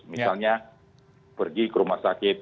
misalnya pergi ke rumah sakit